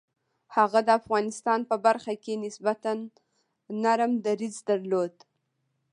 هغه د افغانستان په برخه کې نسبتاً نرم دریځ درلود.